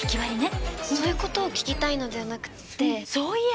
そういうことを聞きたいのではなくって。